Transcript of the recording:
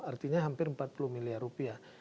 artinya hampir empat puluh miliar rupiah